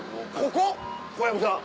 小籔さん。